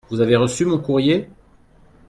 Vous avez reçu mon courrier ?